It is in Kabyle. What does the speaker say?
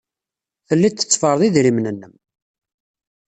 Telliḍ tetteffreḍ idrimen-nnem.